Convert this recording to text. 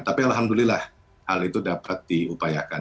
tapi alhamdulillah hal itu dapat diupayakan